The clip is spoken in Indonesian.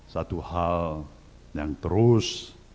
satu hal yang terus